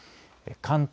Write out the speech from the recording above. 関東